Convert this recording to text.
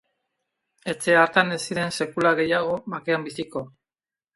Etxe hartan ez ziren sekula gehiago bakean biziko.